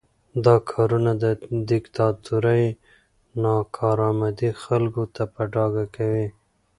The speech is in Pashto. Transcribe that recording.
دا کارونه د دیکتاتورۍ ناکارآمدي خلکو ته په ډاګه کوي.